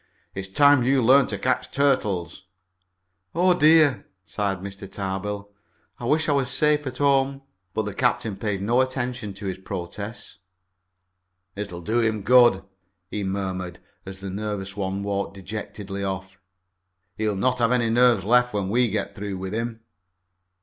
It's time you learned to catch turtles." "Oh, dear!" sighed Mr. Tarbill. "I wish I was safe home!" But the captain paid no attention to his protest. "It'll do him good," he murmured, as the nervous one walked dejectedly off. "He'll not have any nerves left when we get through with him."